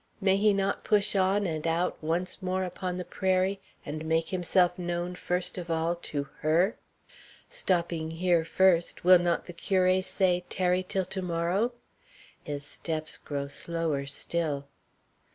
May he not push on and out once more upon the prairie and make himself known first of all to her? Stopping here first, will not the curé say tarry till to morrow? His steps grow slower still.